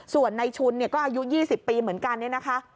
ส่วนในชุนก็อายุ๒๐ปีเหมือนกันเนี่ยนะคะ